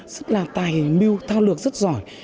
rất là tài mưu thao lược rất giỏi